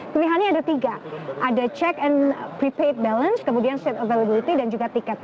pilihannya ada tiga ada check and prepaid balance kemudian sate availability dan juga tiket